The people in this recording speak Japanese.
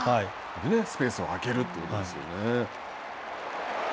スペースを空けるということですよね。